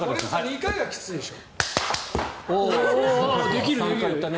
２回はきついでしょ？